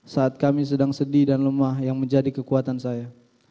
saat kami sedang sedih dan lemah yang menjadi kekuatan saya